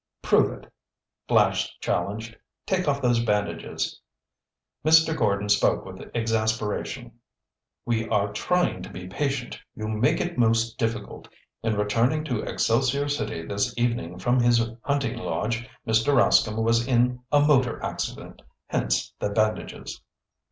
"Prove it," Flash challenged. "Take off those bandages!" Mr. Gordon spoke with exasperation. "We are trying to be patient. You make it most difficult. In returning to Excelsior City this evening from his hunting lodge, Mr. Rascomb was in a motor accident. Hence the bandages."